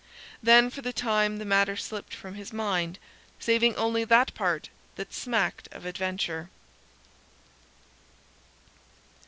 Then for the time the matter slipped from his mind, saving only that part that smacked of adventure.